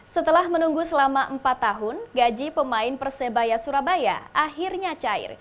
setelah menunggu selama empat tahun gaji pemain persebaya surabaya akhirnya cair